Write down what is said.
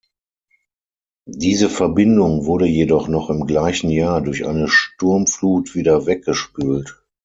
Diese Verbindung wurde jedoch noch im gleichen Jahr durch eine Sturmflut wieder weggespült.